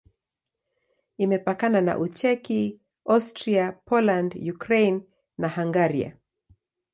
Imepakana na Ucheki, Austria, Poland, Ukraine na Hungaria.